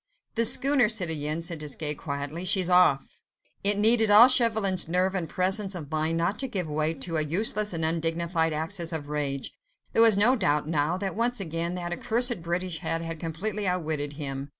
"The schooner, citoyen," said Desgas, quietly; "she's off." It needed all Chauvelin's nerve and presence of mind not to give way to a useless and undignified access of rage. There was no doubt now, that once again, that accursed British head had completely outwitted him.